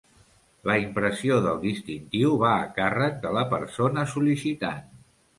La impressió del distintiu va a càrrec de la persona sol·licitant.